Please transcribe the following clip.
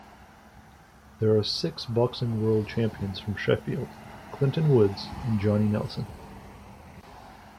There are six boxing world champions from Sheffield, Clinton Woods and Johnny Nelson.